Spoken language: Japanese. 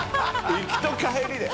行きと帰りで。